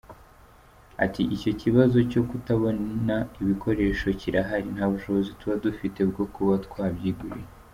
Ati “icyo kibazo cyo kutabona ibikoresho kirahari…nta bushobozi tuba dufite bwo kuba twabyigurira”.